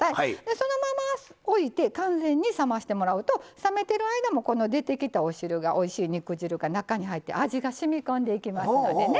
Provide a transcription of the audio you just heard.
そのまま置いて完全に冷ましてもらうと冷めてる間もこの出てきたお汁がおいしい肉汁が中に入って味がしみこんでいきますのでね